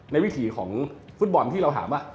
วิถีของฟุตบอลที่เราถามว่า